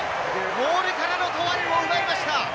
モールからのトライを奪いました！